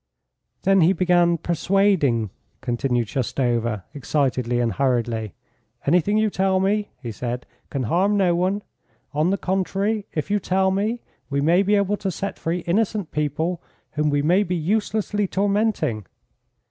"Then he began persuading," continued Shoustova, excitedly and hurriedly. "'Anything you tell me,' he said, 'can harm no one; on the contrary, if you tell me, we may be able to set free innocent people whom we may be uselessly tormenting.